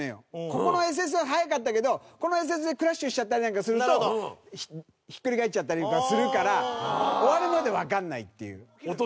ここのＳＳは速かったけどこのＳＳでクラッシュしちゃったりなんかするとひっくり返っちゃったりとかするから落とし穴があるんだ。